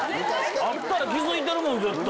あったら気付いてるもん絶対！